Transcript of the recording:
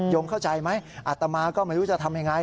มเข้าใจไหมอัตมาก็ไม่รู้จะทำยังไง